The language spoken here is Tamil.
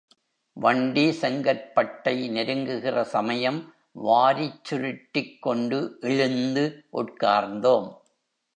வண்டி செங்கற்பட்டை நெருங்குகிற சமயம் வாரிச் சுருட்டிக்கொண்டு எழுந்து உட்கார்ந்தோம்.